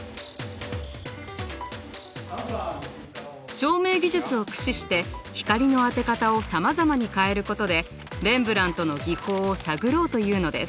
照明技術を駆使して光の当て方をさまざまに変えることでレンブラントの技法を探ろうというのです。